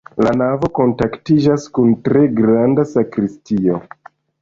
La navo kontaktiĝas kun tre granda sakristio.